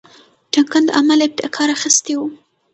ډنکن د عمل ابتکار اخیستی وو.